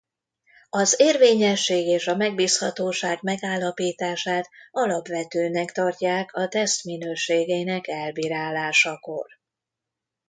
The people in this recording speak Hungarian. Az érvényesség és a megbízhatóság megállapítását alapvetőnek tartják a teszt minőségének elbírálásakor.